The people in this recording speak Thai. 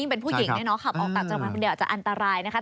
ขับออกต่างจังหวังว่าเดี๋ยวจะอันตรายนะครับ